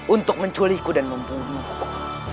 untuk menculikku dan membunuhku